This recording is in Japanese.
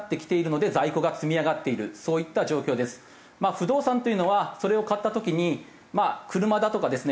不動産というのはそれを買った時に車だとかですね